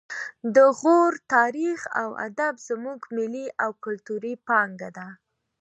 د غور تاریخ او ادب زموږ ملي او کلتوري پانګه ده